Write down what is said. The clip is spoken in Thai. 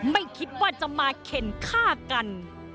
ไม่คิดว่าจะมาเข็นฆ่ากัน